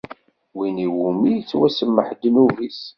Win iwumi i yettwasemmeḥ ddnub-is.